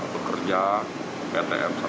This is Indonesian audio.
bekerja ptm seratus persen